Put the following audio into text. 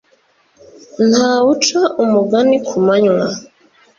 Ntawuca umugani kumanywa